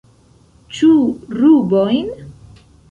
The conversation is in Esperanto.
Ĉu rubojn?